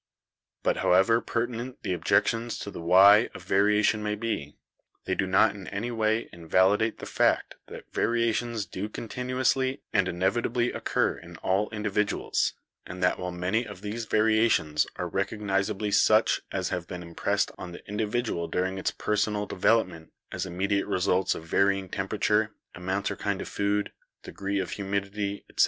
But however pertinent the objections to the why of variation may be, they do not in any way invalidate the fact that variations do continuously and inevitably occur in all individuals, and that while many; of these variations are recognisably such as have been impressed on the individual during its personal develop ment as immediate results of varying temperature, amount or kind of food, degree of humidity, etc.